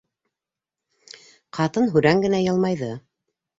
Ҡатын һүрән генә йылмайҙы: